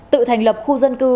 tự thành lập khu dân cư